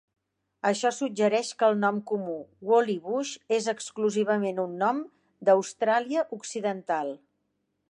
Això suggereix que el nom comú "woollybush" és exclusivament un nom d'Austràlia Occidental.